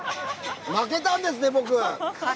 負けたんですね、僕。